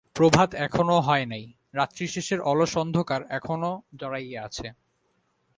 প্রভাত এখনও হয় নাই, রাত্রিশেষের অলস অন্ধকার এখনও জড়াইয়া আছে।